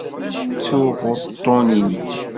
Ttuɣ uṭṭun-inek.